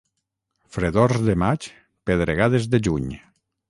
Fredors de maig, pedregades de juny.